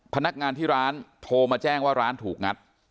พนักงานที่ร้านโทรมาแจ้งว่าร้านถูกงัด